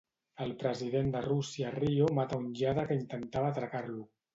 El president de Rússia a Rio mata un lladre que intentava atracar-lo.